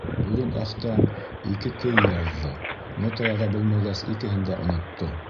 Бөгөн Әхтәм ике көй яҙҙы, нота яҙа белмәгәс, икеһен дә онотто.